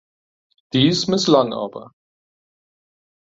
Dies misslang aber.